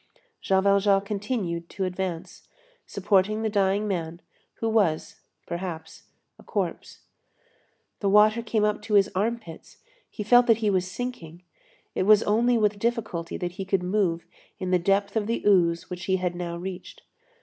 Jean Valjean continued to advance, supporting the dying man, who was, perhaps, a corpse. The water came up to his arm pits; he felt that he was sinking; it was only with difficulty that he could move in the depth of ooze which he had now reached.